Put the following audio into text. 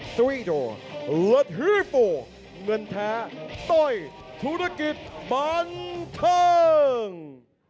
และที่๔เงินแท้ต่อยธุรกิจบันเทิง